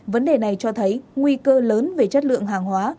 vấn đề này cho thấy nguy cơ lớn về chất lượng hàng hóa